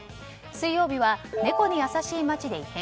水曜日はネコに優しい街で異変。